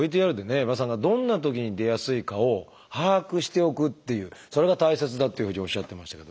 江場さんがどんなときに出やすいかを把握しておくっていうそれが大切だっていうふうにおっしゃってましたけど。